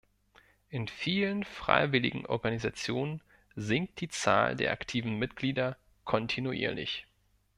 In vielen Freiwilligenorganisationen sinkt die Zahl der aktiven Mitglieder kontinuierlich.